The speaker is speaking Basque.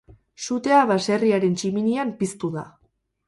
Sutea baserriaren tximinian piztu da.